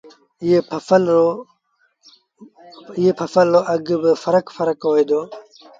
ايئي ڦسل رو اگھ با ڦرڪ ڦرڪ هوئي دو